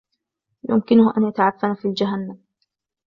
يمكنه أن يتعفن في الجهنم.